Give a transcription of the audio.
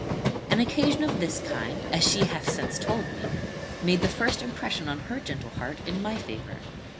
"An occasion of this kind, as she hath since told me, made the first impression on her gentle heart in my favour.